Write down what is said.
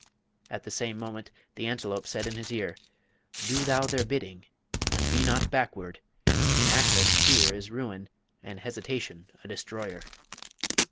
At the same moment, the Antelope said in his ear, 'Do thou their bidding, and be not backward! In Aklis fear is ruin, and hesitation a destroyer.'